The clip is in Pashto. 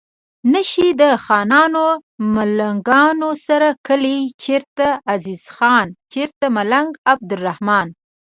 نه شي د خانانو ملنګانو سره کلي چرته عزیز خان چرته ملنګ عبدالرحمان